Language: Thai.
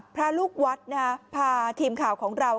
พระลูกวัดพาทีมข่าวของเรา